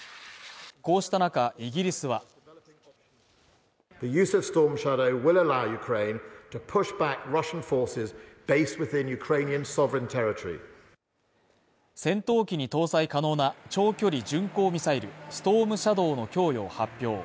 こうした中、イギリスは戦闘機に搭載可能な長距離巡航ミサイル、ストーム・シャドーの供与を発表。